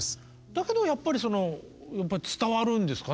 だけどやっぱり伝わるんですかね。